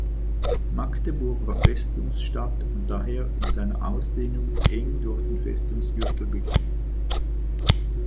Magdeburg war Festungsstadt und daher in seiner Ausdehnung eng durch den Festungsgürtel begrenzt.